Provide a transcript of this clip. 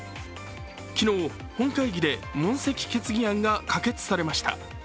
昨日、本会議で問責決議案が可決されました。